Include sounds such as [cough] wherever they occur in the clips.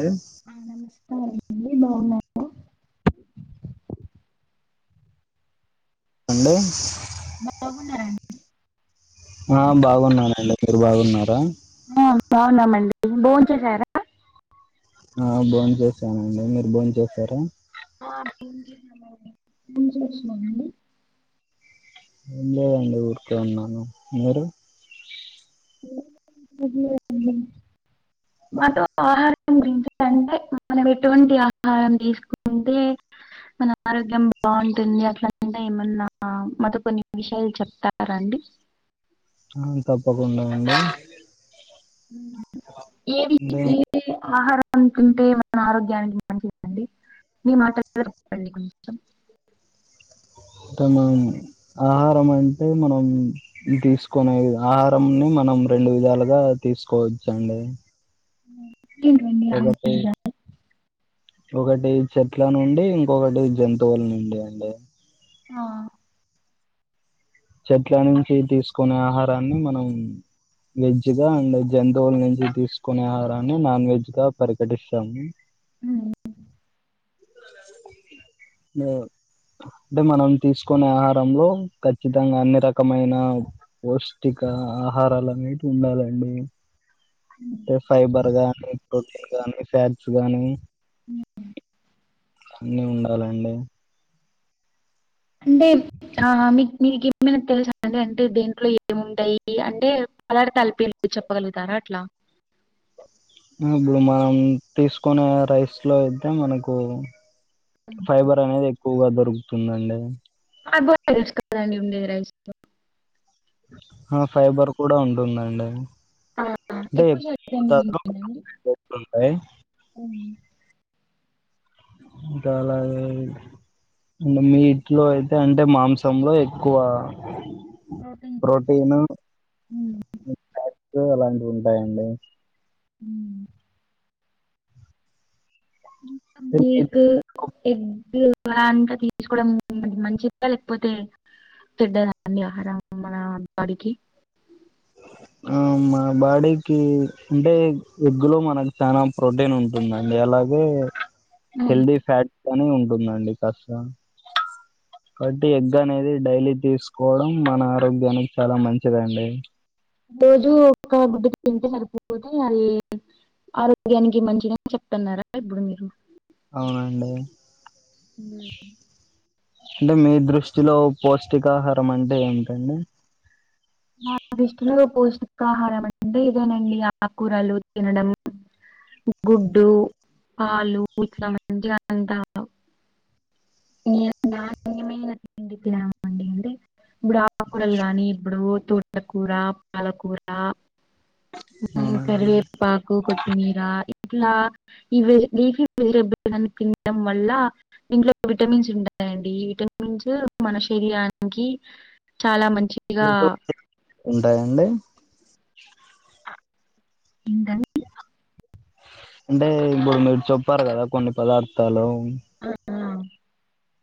అండి ఆ నమస్కారండి బాగున్నారా? అండి బాగున్నారా అండి ఆ బాగున్నానండి మీరు బాగున్నారా? ఆ బాగున్నామండి బోంచేసారా? ఆ బోంచేసానండి మీరు బోన్ చేసారా? ఆ భోంచేసానండి భోంచేసానండి ఏం లేదండి ఊర్కే ఉన్నాను మీరు? [unintelligible] మాతో ఆహారం గురించి అంటే మనం ఎటువంటి ఆహారం తీసుకుంటే మన ఆరోగ్యం బాగుంటుంది అట్లానే ఏమన్నా మాతో కొన్ని విషయాలు చెప్తారాండి ఆ తప్పకుండా అండి ఏది అంటే ఏది ఆహారం తింటే మన ఆరోగ్యానికి మంచిదండి మీ మాట అంటే మనం ఆహారం అంటే మనం తీసకునే ఆహారని మనం నం రెండు విధాలుగా తీసుకోవచ్చు అండి [inaudible] ఒకటి చెట్ల నుండి ఇంకొకటి జంతువుల నుండి అండి ఆ చెట్ల నుంచి తీసుకునే ఆహారాన్ని మనం వెజ్ గా అండ్ జంతువుల నుంచి తీసుకునే ఆహారాన్ని నాన్ వెజ్ గా పరికటిస్తాము మ్మ్ మీ అంటే మనం తీసుకునే ఆహారంలో ఖచ్చితంగా అన్ని రకమైన పౌష్టి కా ఆహారాలు అనేటి ఉండాలండి అంటే ఫైబర్ గాని ప్రోటీన్ గాని ఫ్యాట్స్ గాని మ్మ్ అన్నీ ఉండాలండి అంటే ఆ మీకు మీకు ఏమైనా తెలుసా అండి అంటే దీంట్లో ఏముంటాయి అంటే అలాడతే తలిపి చెప్పగలుగుతారా అట్లా ఇప్పుడు మనం తీసుకునే రైస్ లో అయితే మనకు హ్మ్. ఫైబర్ అనేది ఎక్కువగా దొరుకుతుందండి కార్బోహైడ్రేట్స్ కథ అండి ఉండేది రైస్లో హా ఫైబర్ కూడా ఉంటుందండి ఆ! అంటే ఎక్కువ శాతం ఏంటండి? [inaudible] హ్మ్. ఇంకా అలా అంటే మీ ఇట్లో అయితే అంటే మాంసంలో ఎక్కువ ప్రోటీన్ ప్రోటీన్ హ్మ్ ఫ్యాట్స్ అలాంటివి ఉంటాయండి హ్మ్ మల్క్ ఎగ్ ఆది అంతా తీసుకోవడం మంచిదా లేకపోతే చేడ్డదా అండి ఆహారం మన బాడికి ఆ మా బాడీకి అంటే ఎగ్ లో మనకు చాలా ప్రోటీన్ ఉంటుందండి అలాగే అ హ్మ్. హెల్దీ ఫ్యాట్ గానీ ఉంటుందండి కాస్త కాబట్టి ఎగ్ అనేది డైలీ తీసుకోవడం మన ఆరోగ్యానికి చాలా మంచిదండి రోజు ఒక గుడ్డు తింటే మనకి రోజు మరీ ఆరోగ్యానికి మంచిదని చెప్తున్నారా ఇప్పుడు మీరు అవునండి హ్మ్ అంటే మీ దృష్టిలో పౌష్టికాహారం అంటే ఏంటండి నా దిష్టలో పోష్టికాహారం అంటే ఇదేనండి ఆకూరలు తినడం గుడ్డు పాలు ఇట్ల మంచిగ అంత [unintelligible] నేను నాణ్యమైన తిండి తినడం అండి అంటే ఇప్పుడు ఆకూరలు కాని ఇప్పుడు తోటకూర పాలకూర ఊ అవునండి కరివేపాకు కొత్ తినరా ఇట్లా ఇ [unintelligible] తినడం వల్ల ఇంట్లో విటమిన్స్ ఉంటాయండి ఈ విటమిన్స్ మన శరీరానికి చాలా మం ఉంటాయండి ఏంటండీ అంటే ఇప్పుడు మీరు చెప్పారు కదా కొన్ని పదార్థాలు ఆ,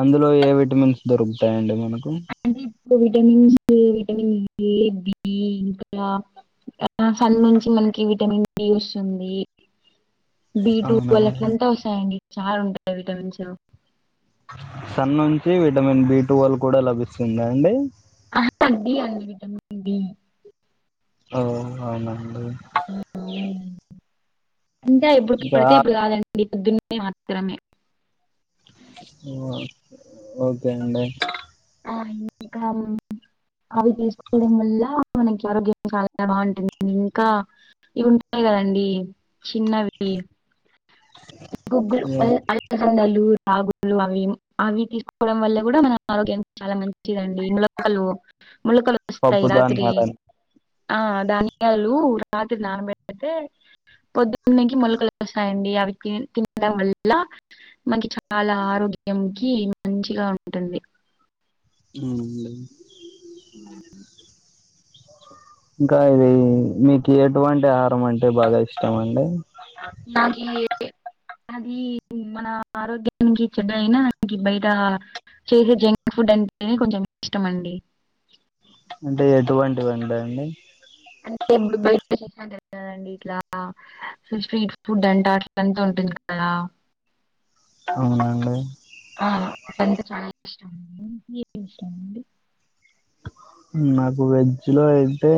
అందులో ఏ విటమిన్స్ దొరుకుతాయండి మనకు అ ఇప్పు విటమన్స్ విటమన్ ఏ బి ఇంకా ఆ సన్ నుంచి మనకి విటమిన్ డి వస్తుంది బీ టూ వాళ్ళకి అవునండి అట్లా అంత వస్తాయండి చాల ఉంటాయి విటమిన్స్ సన్ నుంచి విటమిన్ బి టువల్ కూడా లభిస్తుందా అండి ఆ బి అండి విటమిన్ బి ఓ అవున అండి అంటె ఎప్పుడు పడితే అపుడు కాదండి పొద్దున మాత్రమే ఆ ఓకే అండి ఆ ఇంకా ముందు అవి తీసుకోవడం వల్ల మనకి ఆరోగ్యం చాలా బాగుంటుంది ఇంకా ఇవి ఉంటాయి కదండి చిన్నవి గుగ్గులు అలసందలు రాగులు అవి అవి తీస్ కోవడం వల్ల కూడా మన ఆరోగ్యం చాలా మంచి చిదండి మొలకలు మొలకలు పప్పు వస్తాయి రాత్రి ధాన్యాలని ఆ ధాన్యాలు రాత్రి నానబెట్ కుంటే పొద్దున్నకి మొలకలు వస్తాయండి అవి తిన్ తినడం వల్ల మనకి చాలా ఆరోగ్యంకి మంచిగా ఉంటుంది ఊ ఊ ఇంకా ఇది మీకు ఎటువంటి ఆహారం అంటే బాగా ఇష్టం అండి నాకి ఏం అది మన ఆరోగ్యానికి చెడ్డ అయినానికి బయట చేసే జంక్ ఫుడ్ అంటే కొంచెం ఇష్టమండి అంటే ఎటువంటివి అండండి అంటే ఇప్పుడు బయట చేస్తాంటారుగా అండి ఇట్లా స్ట్రీట్ ఫుడ్ అంట అట్లా అంతా ఉంటుంది కదా అవునండి ఆ అంటె చాయ్ [unintelligible] ఏది ఇష్టమండి [inaudible] నాకు వెజ్ లో అయితే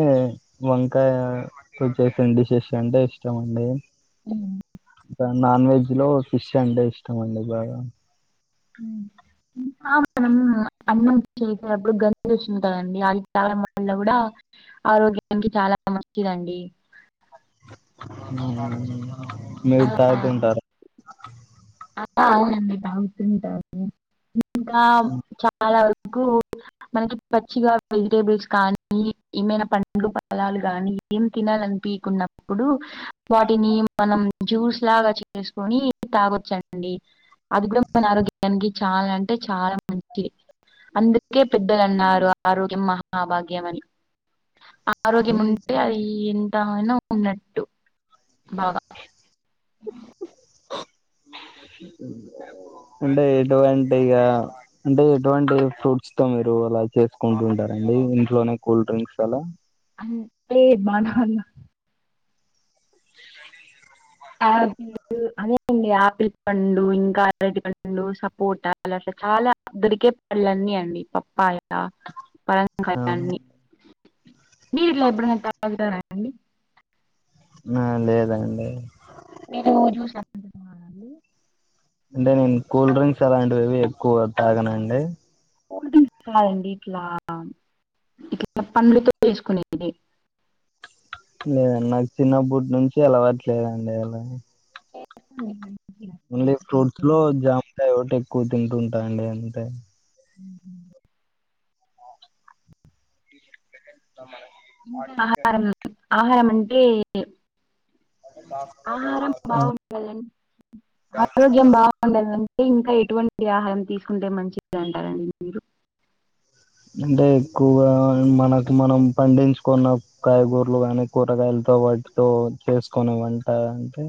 వంకాయతో చేసిన డిషెస్ అంటే ఇష్ చమండి ఊ నాన్ వెజ్ లో ఫిష్ అంటే ఇష్టమ అండి బాగా ఊ ఆ మనం అన్నం చేసే అప్పుడు గంజలు వచ్చింటదండి వాటికి తా [unintelligible] కూడా ఆరోగ్యానికి చాలా మంచిదండి ఆ, మీతాతుంటారా అవునండి బాగుతుంటారు ఇంకా చాలా కు మనకి పచ్చిగా వెజిటేబుల్స్ కానీ ఏమైనా పండ్లు పలాలు కానీ ఏం తినాలని పికున్నప్పుడు వాటిని మనం జ్యూస్ లాగా చేసుకొని తాగొచ్చండి అది కూడా మన ఆరోగ్యానికి చాలా అంటే చాలా మంచిది అందుకే పెద్దలన్నారు ఆరోగ్యం మహాభాగ్యం అని [inaudible] ఆరోగ్యం ఉంటే అది ఎంతయినా ఉన్నట్టు బాగా ఆ [inaudible] అంటే ఎటువంటిగా అంటే ఎటువంటి ఫ్రూట్స్ తో మీరు అలా చేసుకుంటు ఉంటారండి ఇంట్లోనే కూల్ డ్రింక్స్ అలా అంటే బనానా [inaudible] ఆపిల్స్ అదేండి ఆపిల్ పండు ఇంకా అరటి పండు సపోట చాలా అద్దరికే పళ్ళన్నీ అండి పప్పాయ బాదం కాయ ఆ అన్ని మీరెప్పుడైనా ఇలా తాగుతారా అండి ఆ లేదండి మీరు జుసు అండి అంటే నేను కూల్ డ్రింక్స్ అలాంటివివి ఎక్కువ తాగనండి కూల్ డ్రింక్స్ కాదండి ఇట్లా ఇట్ల పండ్లుతో చేసుకునేటివి లేదండి నాకు చిన్నప్పటి నుంచి అలావటులేదండి అలా ఉహు ఓన్లీ ఫ్రూట్స్ లో జామకాయి ఒకట్టి ఎక్కువ తింటుంటాండి అంతే ఉహు ఇంకా ఆహారం ఆహారం అంటే ఆహారం బాగుండాలండి ఆరోగ్యం బాగుండాలండి అంటే ఇంకా ఎటువంటి ఆహారం తీసుకుంటే మంచిది అంటారండి మీరు అంటే ఎక్కువగా మనకు మనం పండించుకున్న కాయగూరలు గానీ కూరగాయలు వాటితో చేసుకోని వంట అంటే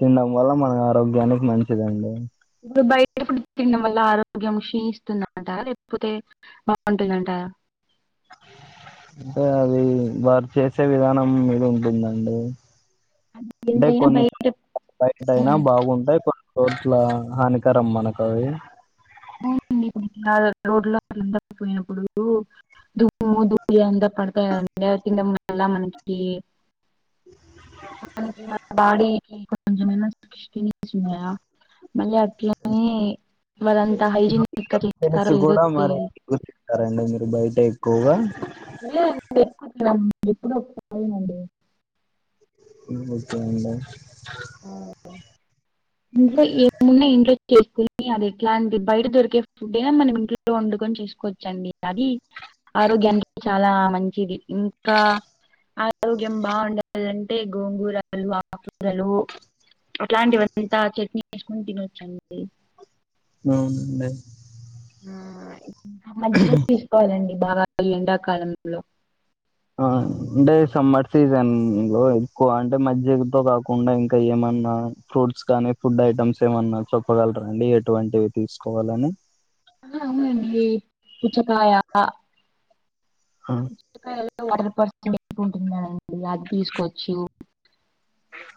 తినడం వల్ల మన ఆరోగ్యానికి మంచిదండి ఇప్పుడు బయట ఫుడ్ తినడం వల్ల ఆరోగ్యం క్షీణిస్తుందంటరా లేకపోతే బాగుంటుందంట ఆ అంటే అది వారు చేసే విధానం మీది ఉంటుందండి అంటే ఎంతైనా కొన్ని బయట బయట అయినా బాగుంటాయి కొ చోట్ల హానికరం మనకవి రోడ్లా ఇందా పోయినప్పుడు దుమ్ము ధూళి అంత పడతాయండి అవి తింటే మనకి మనకి మన బాడి కొంచమైన ఫీలింగ్స్ ఉన్నాయా మల్లి అట్లని వాల్లన్ తెలిసి కూడా మరి ఎక్కువ తింటారండి మీరు బయటె ఎక్కువగా లేదండి ఎక్కువ తినమండి ఎప్పుడో ఒకసారేనండి ఓకే అండి ఇంకా ఏముం ఇంట్లో చేసుకొని అది ఎట్లాంటి బయట దొరికే ఫుడ్ అయినా మనం ఇంట్లో వండుకొని చేసుకోవచ్చు అండి ఇది ఆరోగ్యానికి చాలా మంచిది. ఇంకా ఆరోగ్యం బావుండాలంటే గోంగూరలు ఆ కూరలు. అట్లాంటివంతా చట్నీ ఏసుకొని తినొచ్చండి. ఉండే ఆ [inaudible] మజ్జిగా తీసుకోవాలండి బాగా ఈ ఎండాకాలంలో. ఆ అంటే సమ్మర్ సీజన్ లో ఎక్కువ అంటే మజ్జిగతో కాకుండా ఇంకా ఏమన్ మన్నా ఫ్రూట్స్ కానీ ఫుడ్ ఐటమ్స్ ఏమన్నా చెప్పగలరా అండి ఎటువంటివి తీసుకోవాలని. ఆ అవునండి పుచ్చకాయ ఆ! పుచ్చకాయలో వాటర్ పర్సెంట్ ఎక్కువ ఉంటుందండి అది తీసుకోచ్చు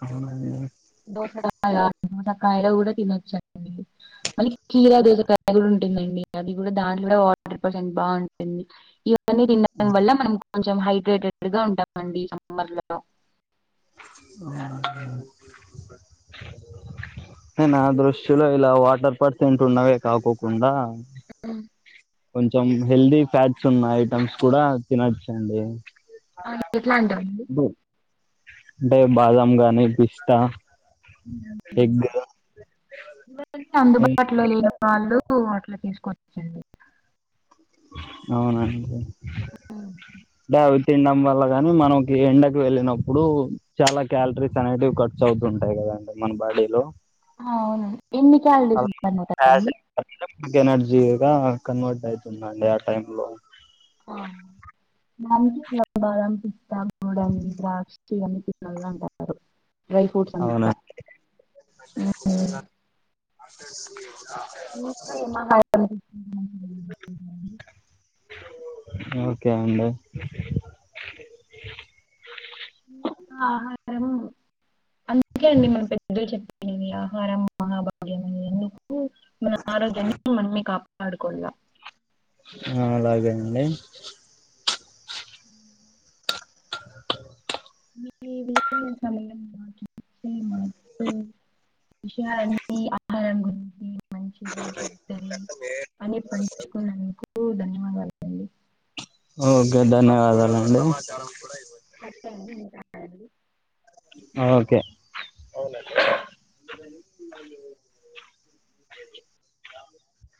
అననే దోసకాయ దోసకాయలు కూడా తినొచ్చండి మళ్ళీ కీరా దోసకాయ కూడా ఉం టుందండి అది కూడా దాంట్లో కూడా వాటర్ పర్సెంట్ బావుంటుంది. ఇ గానీ తినడం వల్ల మనం కొంచెం హైడ్రేటెడ్ గా ఉంటామండి సమ్మర్ లలో మా హే నా దృష్టిలో ఇలా వాటర్ పర్ట్స్ ఏంట ఉన్నావే కాకుకుండా కొంచెం హెల్తీ ఫ్యాట్స్ ఉన్న ఐటెమ్స్ కూడా తినొచ్చండి. ఆన్ ఎట్లాటివి అండీ. అంటే బాదాం గాని బిస్తా ఎగ్ అందుబాటులో లేని వాళ్ళు అట్లా దిసుకోన్ చిందో అవునండి. దావుంద్ తినడం వల్ల గాని మనకి ఎండకు వెళ్ళినప్పుడు చాలా క్యాలరీస్ అనేవి ఖర్చు అవుతుంటాయి కదా ంటే మన బాడీలో అవును ఎన్ని క్యాలరీస్ అల్ ఉంటారండి ఆసిడ్ [inaudible] ఎనర్జీ గా కన్వర్ట్ అయితుందండి ఆ టై లో దానికి ఇట్లా బాదం, పిస్తా [inaudible] ద్రాక్షి అని పిల్లలు అంటారు. డ్రై ఫ్రూట్స్ అన్ని అవునా ఇంకా ముఫ్పై నిమ్మ కాయలు తీసుకుందండి. ఓకే అండి. ఆహా చెపు అందుకే అండి మనం పెద్దలు చెప్పినవి ఆహారం మహాభాగ్యం అనేని. ఉ మన ఆరోగ్యాని మనమే కాపాడుకున్నా. ఆ అలాగే అండి. ఈ విలువైన సమయం మాకిచ్చి మా విచియా అండి. ఆ రంగుంది. మంచిది చెడ్డది అనే పంచుకునకు ఓ ధన్యవాదాలుండి ఓకే ధన్యవాదాలు అండి. అరడి హా ఓకే అవునండి